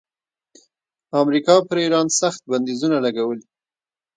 امریکا پر ایران سخت بندیزونه لګولي.